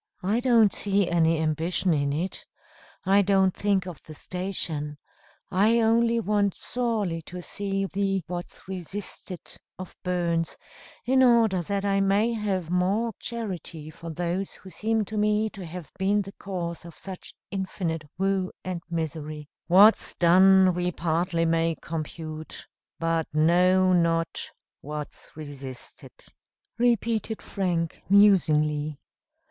"I don't see any ambition in it I don't think of the station I only want sorely to see the 'What's resisted' of Burns, in order that I may have more charity for those who seem to me to have been the cause of such infinite woe and misery." "'What's done we partly may compute; But know not what's resisted,'" repeated Frank musingly.